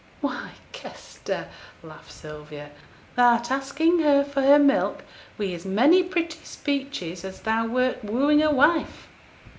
'Why, Kester,' laughed Sylvia, 'thou'rt asking her for her milk wi' as many pretty speeches as if thou wert wooing a wife!'